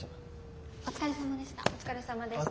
お疲れさまでした。